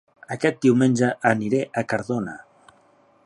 Aquest diumenge aniré a Cardona